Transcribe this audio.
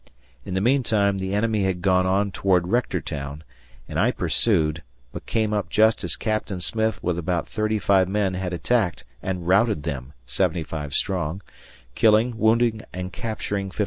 In the meantime the enemy had gone on toward Rectortown, and I pursued, but came up just as Capt. Smith with about 35 men had attacked and routed them (75 strong), killing, wounding, and capturing 57.